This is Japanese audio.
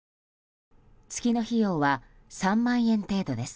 月の費用は３万円程度です。